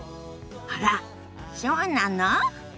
あらっそうなの？